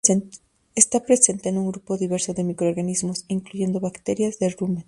Está presente en un grupo diverso de microorganismos, incluyendo bacterias del rumen.